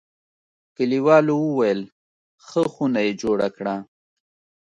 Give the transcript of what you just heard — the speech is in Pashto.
کلیوالو ویل: ښه خونه یې جوړه کړه.